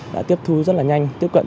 đã tiếp thu rất là nhanh tiếp cận